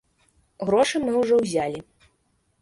Грошы мы ўжо ўзялі.